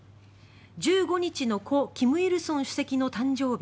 １５日の故・金日成主席の誕生日